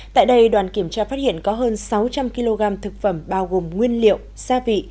tại đây đoàn kiểm tra phát hiện có hơn sáu trăm linh kg thực phẩm bao gồm nguyên liệu gia vị